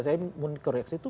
saya mau koreksi itu